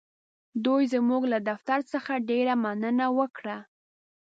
دوی زموږ له دفتر څخه ډېره مننه وکړه.